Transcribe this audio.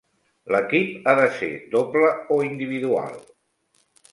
L'equip ha de ser doble o individual?